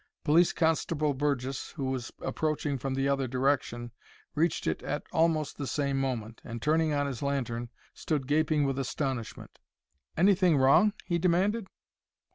Police Constable Burgess, who was approaching from the other direction, reached it at almost the same moment, and, turning on his lantern, stood gaping with astonishment. "Anything wrong?" he demanded.